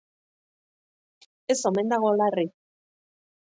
Ez omen dago larri.